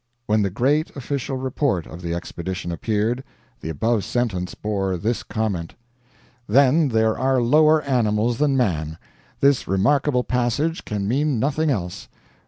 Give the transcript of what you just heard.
When the great official report of the expedition appeared, the above sentence bore this comment: "Then there are lower animals than Man! This remarkable passage can mean nothing else.